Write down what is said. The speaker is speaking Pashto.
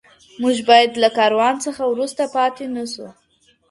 موږ بايد له کاروان څخه وروسته پاتې نه سو.